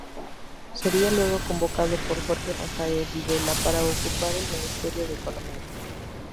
Sería luego convocado por Jorge Rafael Videla para ocupar el Ministerio de Economía.